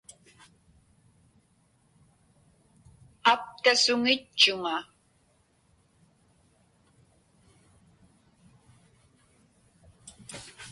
Aptasuŋitchuŋa.